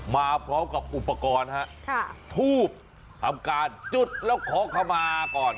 มาพร้อมกับอุปกรณ์ฮะทูบทำการจุดแล้วขอขมาก่อน